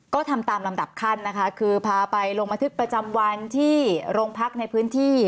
ก็ทำตามลำดับขั้นนะคะคือพาไปลงบันทึกประจำวันที่โรงพักในพื้นที่